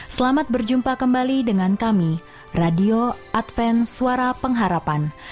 selamat berjumpa kembali dengan kami radio advent suara pengharapan